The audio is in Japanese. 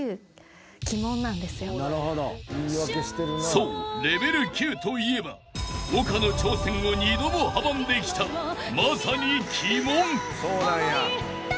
［そうレベル９といえば丘の挑戦を２度も阻んできたまさに］